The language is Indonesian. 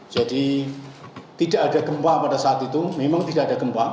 jadi tidak ada gempa pada saat itu memang tidak ada gempa